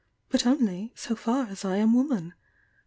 But only 'so far aa I am woman.'